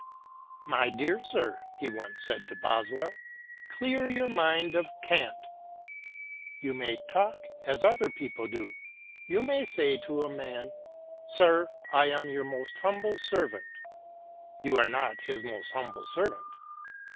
" My dear sir," he once said to Boswell, " clear your mind of cant. You may talk as other people do. You may say to a man, • Sir, I am your most humble servant.' You are not his most humble servant.